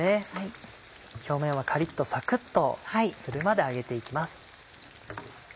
表面はカリっとサクっとするまで揚げて行きます。